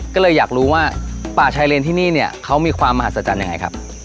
ก็เลยอยากรู้ว่าป่าชายเลนที่นี่เนี่ยเขามีความมหัศจรรย์ยังไงครับ